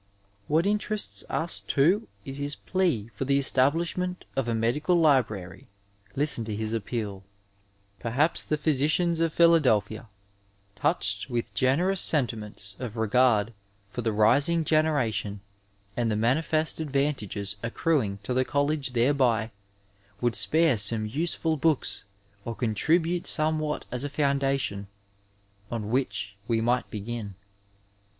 What interests us, too, is his plea for the estab lishment of a medical library. Listen to his appeal : ^'Perhaps the physicians of Philadelphia, touched with generous sentiments of regard for the rising generation and the manifest advantages accruing to the College thereby, would spare some useful books or contribute somewhat as a foondation on which we might begin."